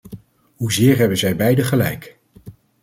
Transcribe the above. Hoezeer hebben zij beiden gelijk!